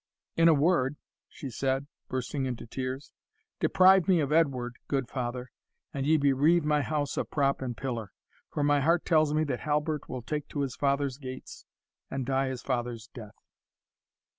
"In a word," she said, bursting into tears, "deprive me of Edward, good father, and ye bereave my house of prop and pillar; for my heart tells me that Halbert will take to his father's gates, and die his father's death."